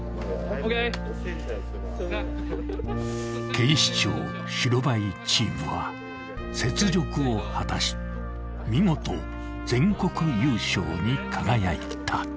［警視庁白バイチームは雪辱を果たし見事全国優勝に輝いた］